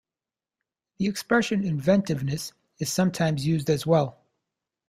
The expression "inventiveness" is sometimes used as well.